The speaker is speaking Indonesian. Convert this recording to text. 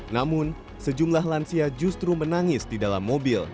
namun sejumlah lansia justru menangis di dalam mobil